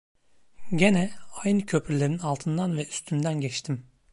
Gene aynı köprülerin altından ve üstünden geçtim.